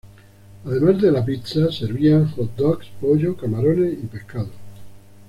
Además de la pizza, servían hot dogs, pollo, camarones y pescado.